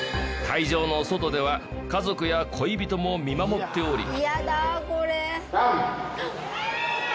会場の外では家族や恋人も見守っており。